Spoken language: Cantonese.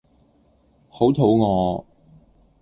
好肚餓